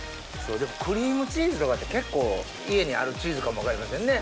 クリームチーズとかって結構家にあるチーズかも分かりませんね